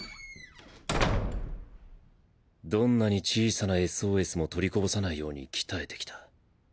どんなに小さな ＳＯＳ も取りこぼさないように鍛えてきた。